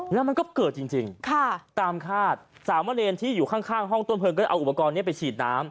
แล้วมันก็เกิดจริงจริงค่ะตามคาดสามเวลียนที่อยู่ข้างข้างห้องต้นเพลิงก็จะเอาอุปกรณ์เนี้ยไปฉีดน้ำ